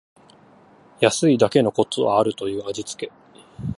安いだけのことはあるという味つけ